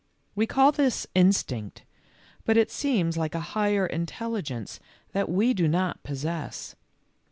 We call this instinct, but it seems like a higher intelligence that we do not possess.